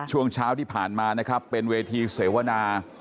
ช่วงเช้าที่ผ่านมานะครับเป็นเวทีเสวนา